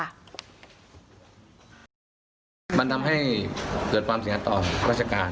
มันทำให้เกิดความสิงหักต่อรัชกาล